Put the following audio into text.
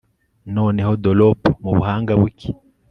noneho dollop mubuhanga buke